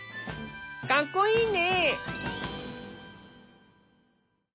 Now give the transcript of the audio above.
かっこいいね！